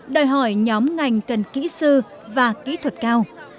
đòi hỏi nhóm ngành cần kỹ sư và kỹ thuật cao